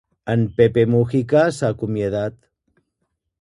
En Pepe Mújica s'ha acomiadat